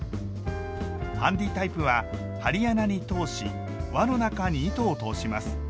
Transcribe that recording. ハンディタイプは針穴に通し輪の中に糸を通します。